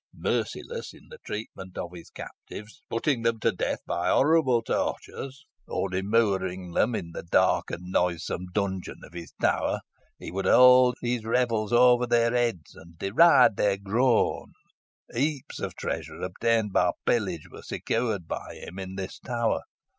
Merciless in the treatment of his captives, putting them to death by horrible tortures, or immuring them in the dark and noisome dungeon of his tower, he would hold his revels over their heads, and deride their groans. Heaps of treasure, obtained by pillage, were secured by him in the tower.